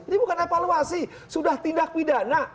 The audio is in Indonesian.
ini bukan evaluasi sudah tindak pidana